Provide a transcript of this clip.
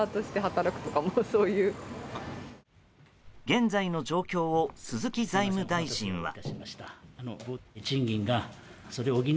現在の状況を鈴木財務大臣は。